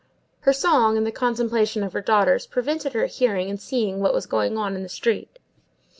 Her song, and the contemplation of her daughters, prevented her hearing and seeing what was going on in the street.